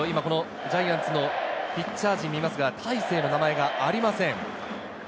今ジャイアンツのピッチャー陣を見ますが、「大勢」の名前がありません。